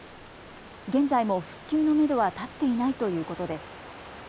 現在も復旧のめどは立っていないということです。